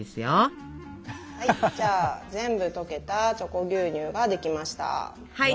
はい全部とけた「チョコ牛乳」ができました。